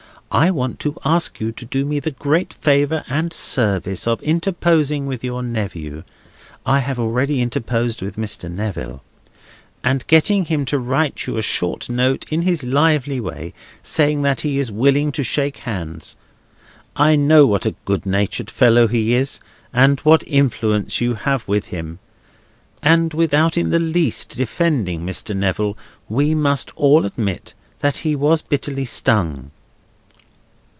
I want to ask you to do me the great favour and service of interposing with your nephew (I have already interposed with Mr. Neville), and getting him to write you a short note, in his lively way, saying that he is willing to shake hands. I know what a good natured fellow he is, and what influence you have with him. And without in the least defending Mr. Neville, we must all admit that he was bitterly stung."